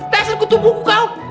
dasar ketumbuhku kau